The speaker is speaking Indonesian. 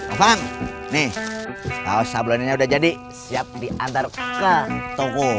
abang nih kaos sablonnya udah jadi siap diantar ke toko